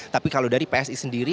tapi kalau dari psi